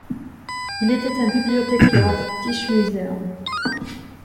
Il était un bibliothécaire au British Museum.